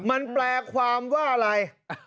มันแปลความว่าอะไร